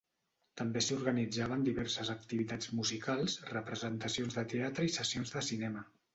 També s'hi organitzaven diverses activitats musicals, representacions de teatre i sessions de cinema.